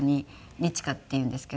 二千翔っていうんですけど。